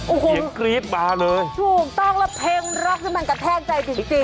อุ้โฮถูกต้องแล้วเพลงร็อกมันกระแทงใจจริง